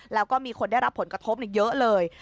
แล้วก็มีคนได้รับผลกระทบเยอะเลย